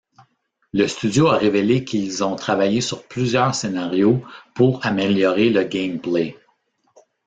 Le studio a révélé qu'ils ont travaillé sur plusieurs scénarios pour améliorer le gameplay.